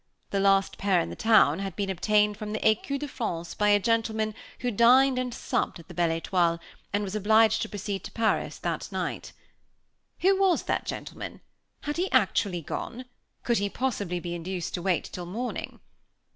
The last pair in the town had been obtained from the Écu de France by a gentleman who dined and supped at the Belle Étoile, and was obliged to proceed to Paris that night. Who was the gentleman? Had he actually gone? Could he possibly be induced to wait till morning?